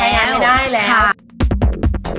ใช้งานไม่ได้แล้ว